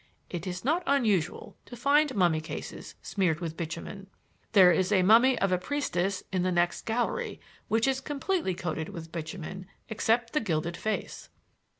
It is not unusual to find mummy cases smeared with bitumen; there is a mummy of a priestess in the next gallery which is completely coated with bitumen except the gilded face.